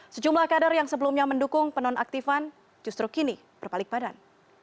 sejumlah kader yang sebelumnya mendukung penonaktifan justru kini berbalik badan